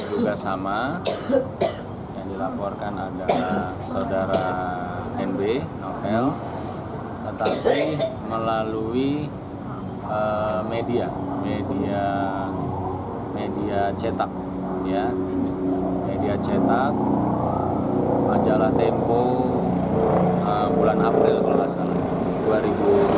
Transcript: untuk diminta klarifikasi